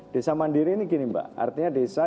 desa mandiri ini gini mbak artinya desa